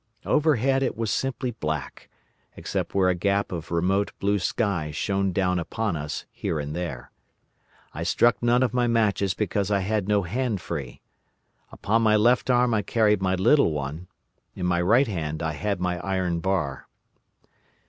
Overhead it was simply black, except where a gap of remote blue sky shone down upon us here and there. I lit none of my matches because I had no hand free. Upon my left arm I carried my little one, in my right hand I had my iron bar.